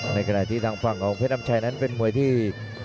ในขณะที่ทางฝั่งของเพชรน้ำชัยนั้นเป็นมวยที่